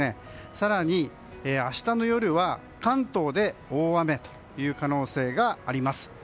更に、明日の夜は関東で大雨という可能性があります。